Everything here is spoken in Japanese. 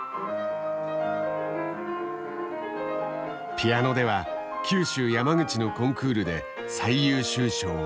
ピアノでは九州山口のコンクールで最優秀賞を受賞。